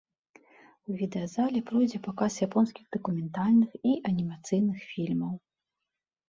У відэазале пройдзе паказ японскіх дакументальных і анімацыйных фільмаў.